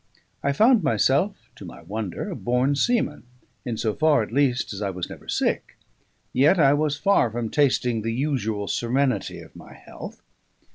I found myself (to my wonder) a born seaman, in so far at least as I was never sick; yet I was far from tasting the usual serenity of my health.